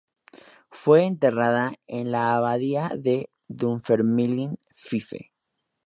Fue enterrada en la abadía de Dunfermline, Fife.